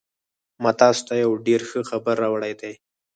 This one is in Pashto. ما تاسو ته یو ډېر ښه خبر راوړی دی